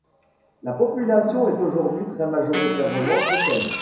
La population est aujourd'hui très majoritairement chrétienne.